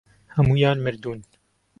هەموویان مردوون.